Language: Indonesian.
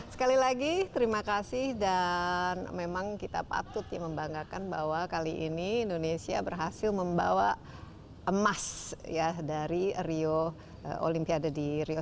sekali lagi terima kasih dan memang kita patut ya membanggakan bahwa kali ini indonesia berhasil membawa emas ya dari rio olimpiade di rio